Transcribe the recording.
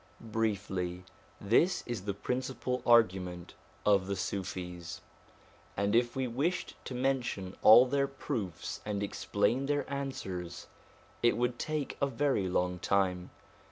Briefly, this is the principal argument of the Sufis ; 332 SOME ANSWERED QUESTIONS and if we wished to mention all their proofs and explain their answers, it would take a very long time.